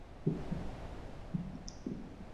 肃靖王继妃晏氏肃靖王次妃杨氏